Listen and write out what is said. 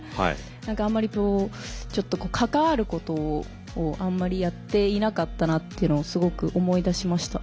何かあんまりちょっと関わることをあんまりやっていなかったなっていうのをすごく思い出しました。